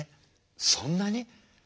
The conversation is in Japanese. そんなに？